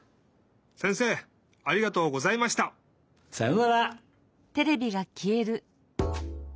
せんせいありがとうございました！さようなら！